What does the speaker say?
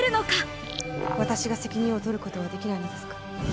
私が責任を取ることはできないのですか。